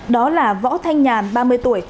đó là võ thanh nhàn ba mươi tuổi